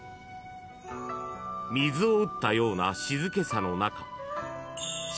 ［水を打ったような静けさの中］